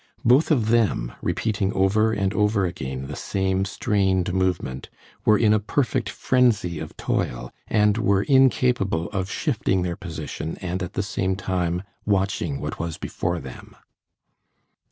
Both of them, repeating over and over again the same strained movement, were in a perfect frenzy of toil, and were incapable of shifting their position and at the same time watching what was before them.